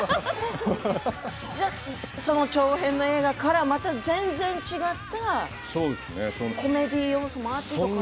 じゃあその長編の映画からまた全然違ったコメディー要素もあってとか。